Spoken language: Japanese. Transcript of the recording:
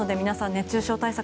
熱中症対策